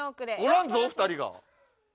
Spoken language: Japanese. おらんぞ２人が！